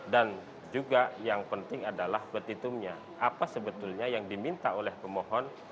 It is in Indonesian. dan juga yang penting adalah betitumnya apa sebetulnya yang diminta oleh pemohon